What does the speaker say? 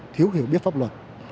thiếu hiểu biết pháp luật